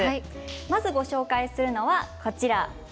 まずご紹介するのはこちらです。